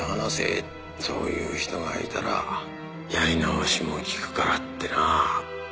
そういう人がいたらやり直しも利くからってな。